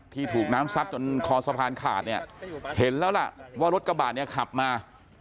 ถูกน้ำซัดจนคอสะพานขาดเนี่ยเห็นแล้วล่ะว่ารถกระบะเนี่ยขับมา